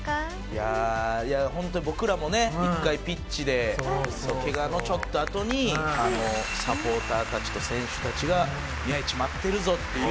いやあホントに僕らもね一回ピッチでケガのちょっとあとにサポーターたちと選手たちが「宮市待ってるぞ」っていうね